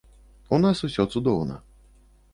У нас усё цудоўна.